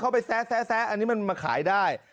ไปแซะอันนี้มันมาขายได้